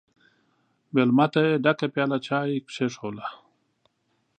مېلمه ته یې ډکه پیاله چای کښېښودله!